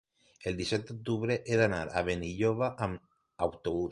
El disset d'octubre he d'anar a Benilloba amb autobús.